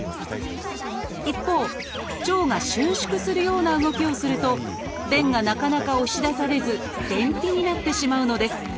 一方腸が収縮するような動きをすると便がなかなか押し出されず便秘になってしまうのです。